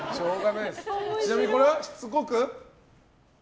ちなみに、これはしつこく。